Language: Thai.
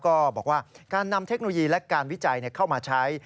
ก็บอกว่าการนำเทคโนโลยีและการวิจัยเข้ามาใช้